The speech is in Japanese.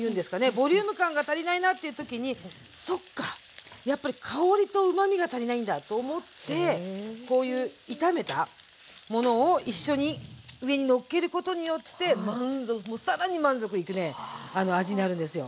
ボリューム感が足りないなっていう時にそっかやっぱり香りとうまみが足りないんだと思ってこういう炒めたものを一緒に上にのっけることによって満足もう更に満足いくね味になるんですよ。